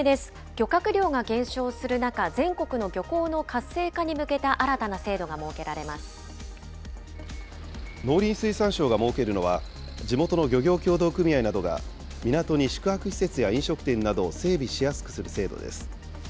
漁獲量が減少する中、全国の漁港の活性化に向けた新たな制度が設農林水産省が設けるのは、地元の漁業協同組合などが、港に宿泊施設や飲食店などを整備しやすくする制度です。